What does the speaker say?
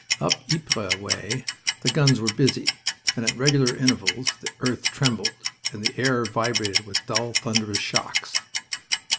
Up Ypres way the guns were busy, and at regular intervals the earth trembled, and the air vibrated with dull, thunderous shocks.